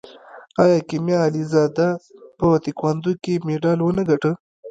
آیا کیمیا علیزاده په تکواندو کې مډال ونه ګټه؟